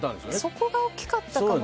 そこが大っきかったかも。